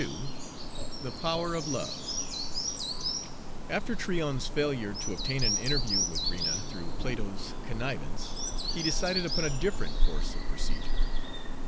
XXXII THE POWER OF LOVE After Tryon's failure to obtain an interview with Rena through Plato's connivance, he decided upon a different course of procedure.